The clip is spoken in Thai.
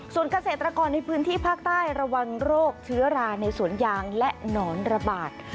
ส่วนเกษตรกรในพื้นที่ภาคใต้ระวังโรคเชื้อราในสวนยางและหนอนระบาด